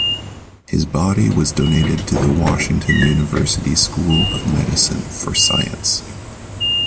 His body was donated to the Washington University School of Medicine for science.